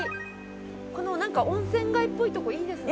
このなんか温泉街っぽいとこいいですね。